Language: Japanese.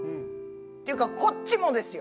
ていうかこっちもですよ！